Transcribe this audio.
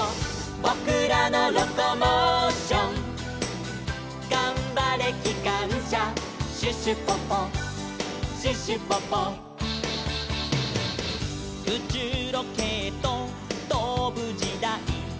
「ぼくらのロコモーション」「がんばれきかんしゃ」「シュシュポポシュシュポポ」「うちゅうロケットとぶじだい」